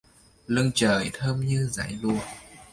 Lưng trời thơm như dải lụa